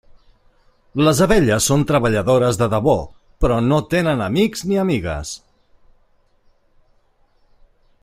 Les abelles són treballadores de debò, però no tenen amics ni amigues.